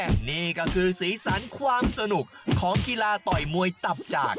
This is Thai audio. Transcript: และนี่ก็คือสีสันความสนุกของกีฬาต่อยมวยตับจาก